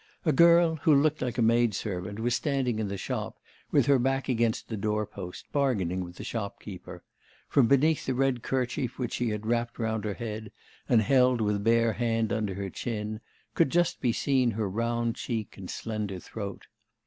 A girl, who looked like a maid servant, was standing in the shop with her back against the doorpost, bargaining with the shopkeeper; from beneath the red kerchief which she had wrapped round her head, and held with bare hand under her chin, could just be seen her round cheek and slender throat.